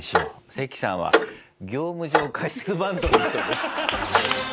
セキさんは業務上過失バントの人です。